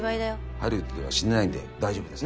ハリウッドでは死んでないので大丈夫ですね。